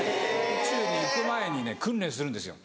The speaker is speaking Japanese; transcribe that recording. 宇宙に行く前にね訓練するんですよ。